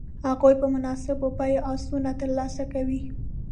هغوی په مناسبو بیو آسونه تر لاسه کوي.